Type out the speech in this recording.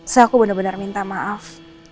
saya aku benar benar minta maaf